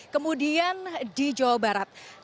kemudian di jawa barat